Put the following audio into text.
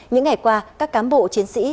những ngày qua các cán bộ chiến sĩ